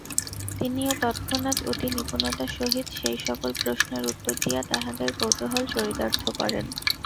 তিনিও তৎক্ষণাৎ অতি নিপুণতার সহিত সেই সকল প্রশ্নের উত্তর দিয়া তাঁহাদের কৌতূহল চরিতার্থ করেন।